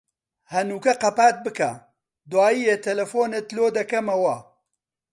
هەنووکە قەپات بکە، دوایێ تەلەفۆنت لۆ دەکەمەوە.